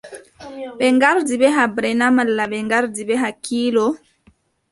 Ɓe ngardi bee haɓre na malla ɓe ngardi bee hakkiilo ?